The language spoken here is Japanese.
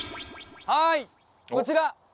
はいこちら